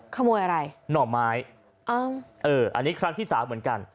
ขโมยอะไรหน่อไม้เอ้าเอออันนี้ครั้งที่สามเหมือนกัน